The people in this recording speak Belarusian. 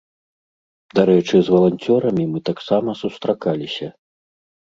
Дарэчы, з валанцёрамі мы таксама сустракаліся.